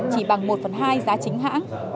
chỉ bằng một phần hai giá chính hãng